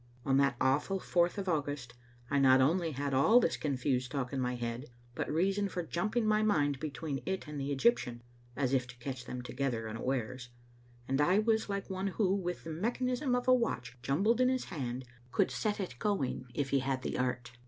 On that awful fourth of August I not only had all this confused talk in my head but reason for jumping my mind between it and the Egyptian (as if to catch them together unawares), and I was like one who, with the mechanism of a watch jumbled in his hand, could set it going if he had the art.